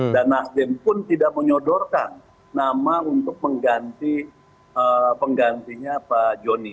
dan nasdem pun tidak menyodorkan nama untuk penggantinya pak jokowi